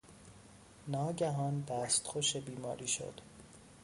ناگهان دستخوش بیماری شد.